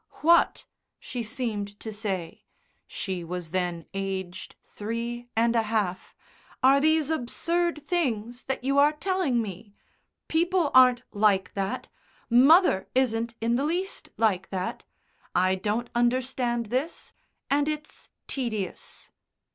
"What," she seemed to say she was then aged three and a half "are these absurd things that you are telling me? People aren't like that. Mother isn't in the least like that. I don't understand this, and it's tedious!"